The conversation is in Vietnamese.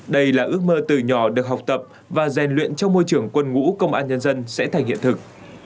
đây là ước mơ từ nhỏ được học tập và rèn luyện trong môi trường quân ngũ công an nhân dân sẽ thành hiện thực